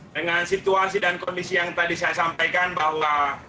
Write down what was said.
dengan situasi dan kondisi yang tadi saya sampaikan bahwa